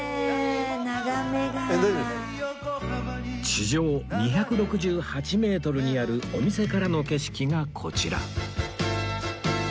地上２６８メートルにあるお店からの景色がこちら